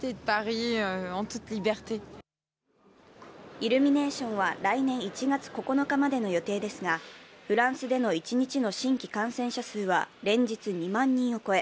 イルミネーションは来年１月９日までの予定ですがフランスでの一日での新規感染者数は連日２万人を超え